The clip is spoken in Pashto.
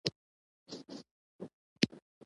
دا سرچینې دولت ته د مستقیمو مذاکراتو توان ورکوي